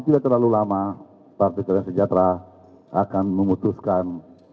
tidak terlalu lama partai keadilan sejahtera akan memutuskan